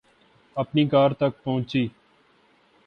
اپنی کار تک پہنچی